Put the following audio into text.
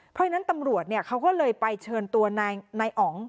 เพราะฉะนั้นตำรวจเขาก็เลยไปเชิญตัวนายอ๋อง